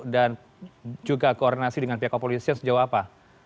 dan juga koordinasi dengan pihak kepolisian sejauh apa